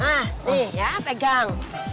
hah nih ya pegang